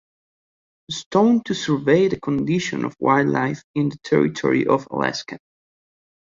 Stone to survey the condition of wildlife in the territory of Alaska.